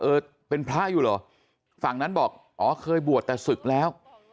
เออเป็นพระอยู่เหรอฝั่งนั้นบอกอ๋อเคยบวชแต่ศึกแล้ว